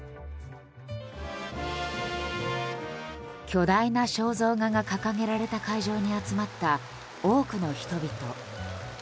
巨大な肖像画が掲げられた会場に集まった多くの人々。